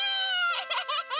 ハハハハ！